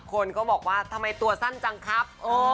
คนก็บอกว่าทำไมตัวสั้นจังครับ